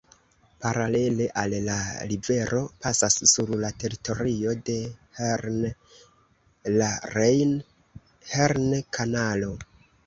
Paralele al la rivero pasas sur la teritorio de Herne la Rejn-Herne-Kanalo.